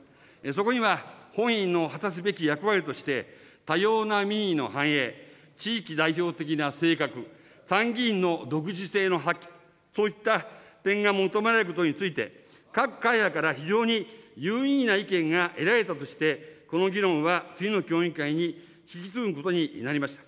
そこには、本院の果たすべき役割として、多様な民意の反映、地域代表的な性格、参議院の独自性の発揮、といった点が求められることについて、各会派から非常に有意義な意見が得られたとして、この議論は次の協議会に引き継ぐことになりました。